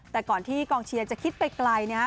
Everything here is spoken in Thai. แต่ก่อนที่กองเชียร์จะคิดไปไกลนะฮะ